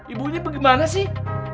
ibunya bagaimana sih